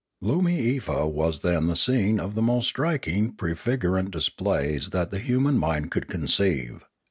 Loomiefa was then the scene of the most striking pre figurant displays that the human mind could conceive.